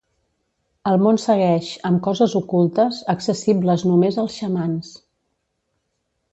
El món segueix, amb coses ocultes, accessibles només als xamans.